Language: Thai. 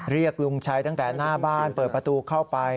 เรียกลุงชัยตั้งแต่หน้าบ้านเปิดประตูเข้าไป